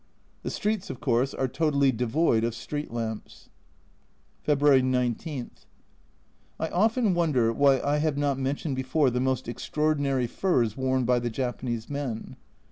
The streets, of course, are totally devoid of "street lamps." February 19. I often wonder why I have not mentioned before the most extraordinary furs worn by the Japanese men.